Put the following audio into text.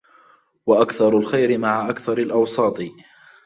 وَأَكْثَرُ الْخَيْرِ مَعَ أَكْثَرِ الْأَوْسَاطِ